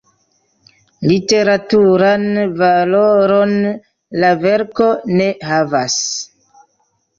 Literaturan valoron la verko ne havas.